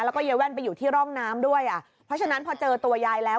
แล้วก็ยายแว่นไปอยู่ที่ร่องน้ำด้วยอ่ะเพราะฉะนั้นพอเจอตัวยายแล้ว